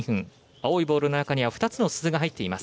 青いボールの中には２つの鈴が入っています。